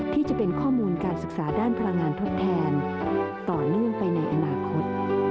ที่จะเป็นข้อมูลการศึกษาด้านพลังงานทดแทนต่อเนื่องไปในอนาคต